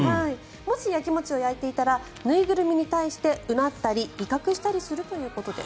もしやきもちをやいていたら縫いぐるみに対してうなったり威嚇したりするということです。